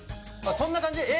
そんな感じ？